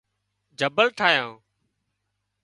جبل ٺاهيان